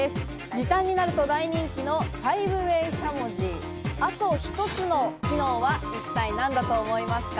時短になると大人気の５ＷＡＹしゃもじ、あと一つの機能は一体何だと思いますか？